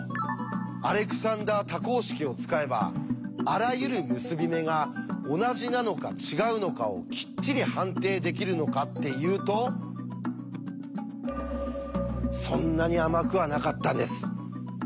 アレクサンダー多項式を使えばあらゆる結び目が同じなのか違うのかをきっちり判定できるのかっていうとそんなに甘くはなかったんです。